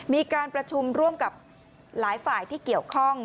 มีการประชุมร่วมกับหลายฝ่ายที่เกี่ยวข้อง